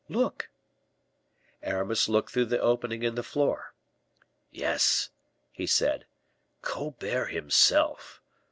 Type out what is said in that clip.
"Look." Aramis looked through the opening in the flooring. "Yes," he said. "Colbert himself.